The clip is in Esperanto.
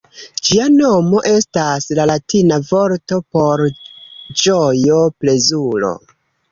Ĝia nomo estas la latina vorto por ĝojo, plezuro.